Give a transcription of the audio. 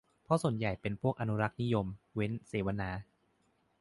เพราะส่วนใหญ่เป็นพวกอนุรักษ์นิยม เว้น เสวนา